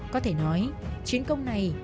có thể nói chiến công này